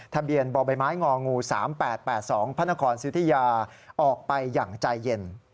ทะเบียนบ่อใบไม้งองู๓๘๘๒พระนครสิทธิยาออกไปอย่างใจเย็น